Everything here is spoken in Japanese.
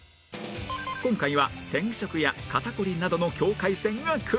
今回は転職や肩こりなどの境界線がクイズに